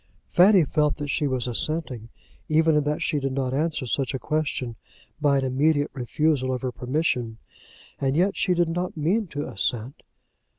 Fanny felt that she was assenting, even in that she did not answer such a question by an immediate refusal of her permission; and yet she did not mean to assent.